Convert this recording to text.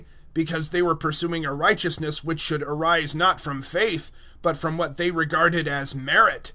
Because they were pursuing a righteousness which should arise not from faith, but from what they regarded as merit.